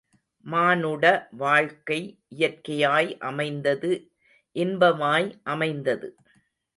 மானுட வாழ்க்கை இயற்கையாய் அமைந்தது இன்பமாய் அமைந்தது.